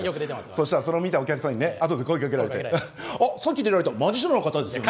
そしたらそれを見たお客さんにねあとで声かけられて「あっさっき出られたマジシャンの方ですよね」。